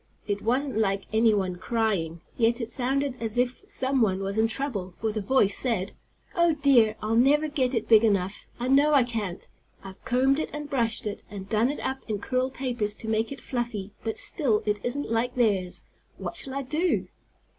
It wasn't like any one crying, yet it sounded as if some one was in trouble, for the voice said: "Oh, dear! I'll never get it big enough, I know I can't! I've combed it and brushed it, and done it up in curl papers to make it fluffy, but still it isn't like theirs. What shall I do?"